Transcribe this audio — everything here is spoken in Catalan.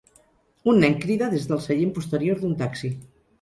Un nen crida des del seient posterior d'un taxi.